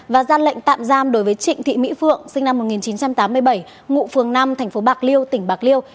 và ra lệnh tạm giam đối với trịnh thị mỹ phượng sinh năm một nghìn chín trăm tám mươi bảy ngụ phường năm tp bạc liêu tỉnh bạc liêu